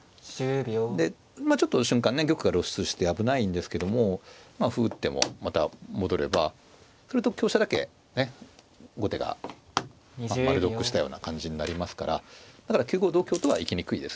でまあちょっと瞬間ね玉が露出して危ないんですけどもまあ歩打ってもまた戻ればすると香車だけね後手が丸得したような感じになりますからだから９五同香とは行きにくいです。